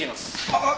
あ！